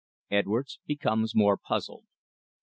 EDWARDS BECOMES MORE PUZZLED.